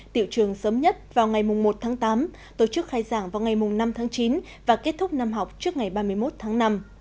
tiệu trường sớm nhất vào ngày một tám tổ chức khai giảng vào ngày năm chín và kết thúc năm học trước ngày ba mươi một năm